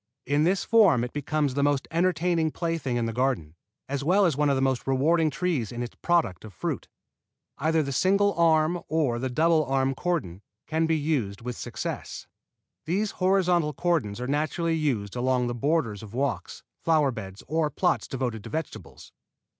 In this form it becomes the most entertaining plaything in the garden, as well as one of the most rewarding trees in its product of fruit. Either the single arm or the double arm cordon can be used with success. These horizontal cordons are naturally used along the borders of walks, flower beds or plots devoted to vegetables.